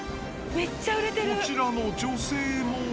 こちらの女性も。